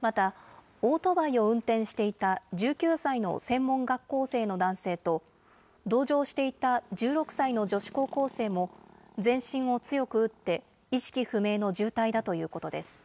また、オートバイを運転していた１９歳の専門学校生の男性と、同乗していた１６歳の女子高校生も、全身を強く打って、意識不明の重体だということです。